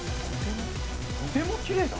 「トテもきれいだ」